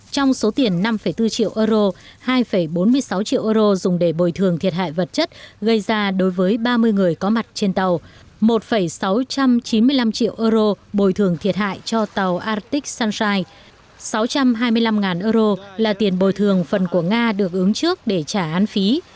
trong số tiền năm bốn triệu euro hai bốn mươi sáu triệu euro dùng để bồi thường thiệt hại vật chất gây ra đối với ba mươi người có mặt trên tàu một sáu trăm chín mươi năm triệu euro bồi thường thiệt hại cho tàu aratic sunshine sáu trăm hai mươi năm euro là tiền bồi thường phần của nga được ứng trước để trả án phí